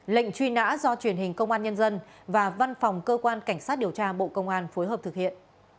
lệnh truy nã do truyền hình công an nhân dân và văn phòng cơ quan cảnh sát điều tra bộ công an phối hợp thực hiện